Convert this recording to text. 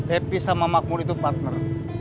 happy sama makmur itu partner